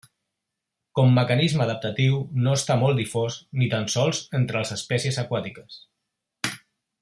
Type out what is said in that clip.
Com mecanisme adaptatiu no està molt difós, ni tan sols entre les espècies aquàtiques.